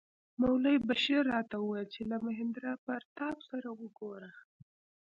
مولوي بشیر راته وویل چې له مهیندراپراتاپ سره وګوره.